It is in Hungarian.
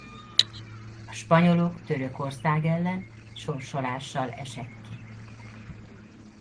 A spanyolok Törökország ellen sorsolással esek ki.